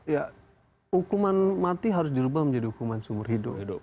ya hukuman mati harus dirubah menjadi hukuman seumur hidup